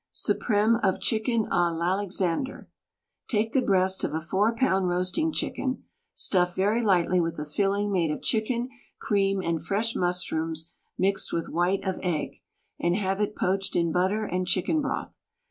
SUPREME OF CHICKEN A L'ALEXANDER Take the breast of a four pound roasting chicken (stuff very lightly with a filling made of chicken, cream and fresh mushrooms mixed with white of egg) and have it poached in butter and chicken broth.